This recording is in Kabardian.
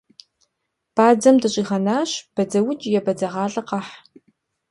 Бадзэм дыщӏигъэнащ, бадзэукӏ е бадзэгъалӏэ къэхь.